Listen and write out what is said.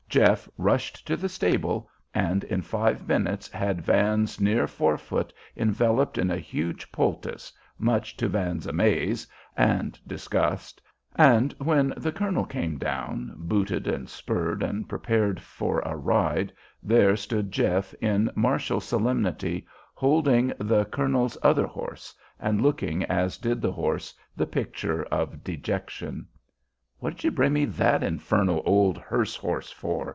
Jeff rushed to the stable, and in five minutes had Van's near fore foot enveloped in a huge poultice, much to Van's amaze and disgust, and when the colonel came down, Booted and spurred and prepared for a ride, there stood Jeff in martial solemnity, holding the colonel's other horse, and looking, as did the horse, the picture of dejection. "What'd you bring me that infernal old hearse horse for?"